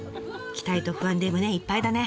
期待と不安で胸いっぱいだね。